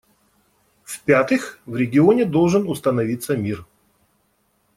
В-пятых, в регионе должен установиться мир.